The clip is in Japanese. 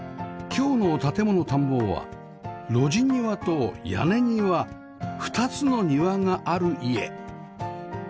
今日の『建もの探訪』は路地庭と屋根庭２つの庭がある家